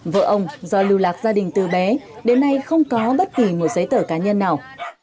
vợ ông do lưu lạc gia đình từ bé đến nay không có bất kỳ một giấy tờ cá nhân nào